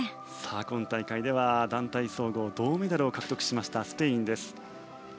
今大会では団体総合銅メダルを獲得しましたスペインです。